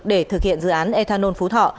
để thực hiện dự án ethanol phú thỏ